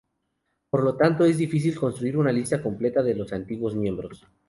Por lo tanto, es difícil construir una lista completa de los antiguos miembros.